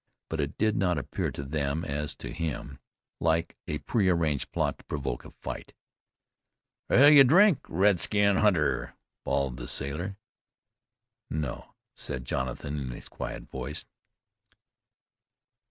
But it did not appear to them, as to him, like a pre arranged plot to provoke a fight. "Will you drink, redskin hunter?" bawled the sailor. "No," said Jonathan in his quiet voice.